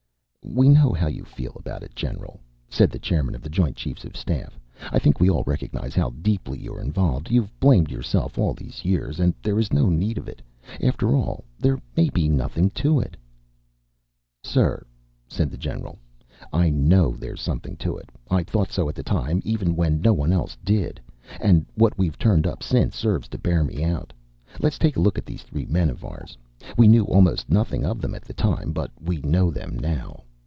"We know how you feel about it, General," said the chairman of the joint chiefs of staff. "I think we all recognize how deeply you're involved. You've blamed yourself all these years and there is no need of it. After all, there may be nothing to it." "Sir," said the general, "I know there's something to it. I thought so at the time, even when no one else did. And what we've turned up since serves to bear me out. Let's take a look at these three men of ours. We knew almost nothing of them at the time, but we know them now.